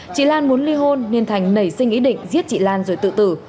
chị lan muốn ly hôn nên thành nảy sinh ý định giết chị lan rồi tự tử